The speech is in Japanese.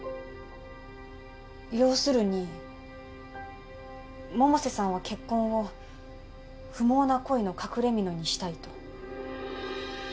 要するに百瀬さんは結婚を不毛な恋の隠れみのにしたいと？